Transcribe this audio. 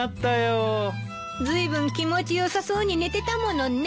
ずいぶん気持ち良さそうに寝てたものね。